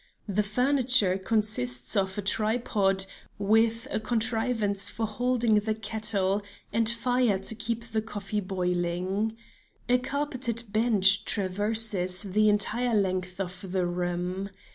The furniture consists of a tripod with a contrivance for holding the kettle, and a fire to keep the coffee boiling. A carpeted bench traverses the entire length of the room.